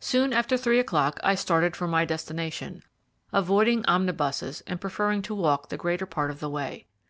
Soon after three o'clock I started for my destination, avoiding omnibuses and preferring to walk the greater part of the way.